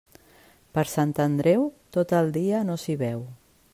Per Sant Andreu, tot el dia no s'hi veu.